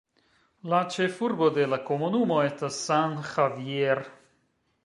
La ĉefurbo de la komunumo estas San Javier.